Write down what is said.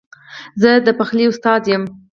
زه د پخلي استاد یم